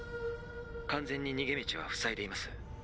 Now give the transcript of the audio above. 完全に逃げ道は塞いでいます。